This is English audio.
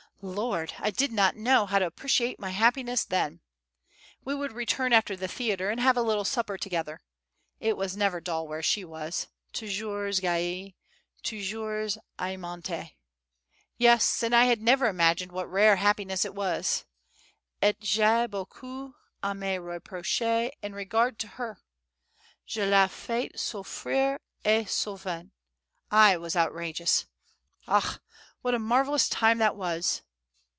Lord! I did not know how to appreciate my happiness then. We would return after the theatre, and have a little supper together. It was never dull where she was, toujours gaie, toujours aimante. Yes, and I had never imagined what rare happiness it was. Et j'ai beaucoup a me reprocher in regard to her. Je l'ai fait souffrir et souvent. I was outrageous. AKH! What a marvellous time that was!